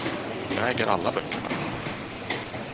Jag äger alla böckerna.